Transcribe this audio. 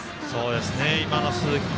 今の鈴木君